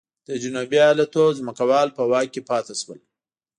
د جنوبي ایالتونو ځمکوالو په واک کې پاتې شول.